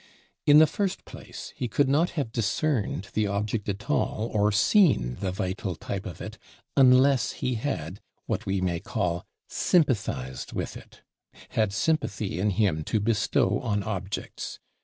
In the first place, he could not have discerned the object at all, or seen the vital type of it, unless he had, what we may call, sympathized with it, had sympathy in him to bestow on objects.